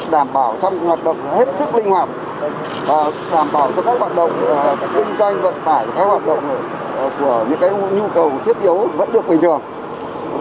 đảm bảo trong hoạt động hết sức linh hoạt và đảm bảo cho các hoạt động kinh doanh vận tải các hoạt động của những nhu cầu thiết yếu vẫn được bình thường